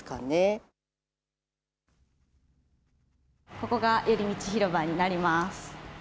ここがよりみち広場になります。